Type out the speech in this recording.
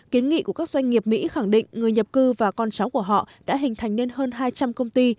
kiến nghị của các doanh nghiệp mỹ khẳng định người nhập cư và con cháu của họ đã hình thành nên hơn hai trăm linh công ty